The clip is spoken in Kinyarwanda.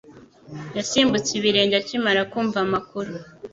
Yasimbutse ibirenge akimara kumva amakuru